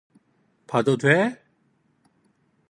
봐도 돼?